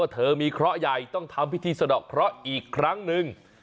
เธอมีเคราะห์ใหญ่ต้องทำพิธีสะดอกเคราะห์อีกครั้งหนึ่ง